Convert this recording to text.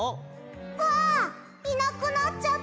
ああいなくなっちゃった！